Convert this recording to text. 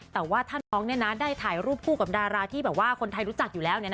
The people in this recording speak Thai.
แต่ว่าท่านท้องได้ถ่ายรูปคู่กับดาราที่แบบว่าคนไทยรู้จักอยู่แล้ว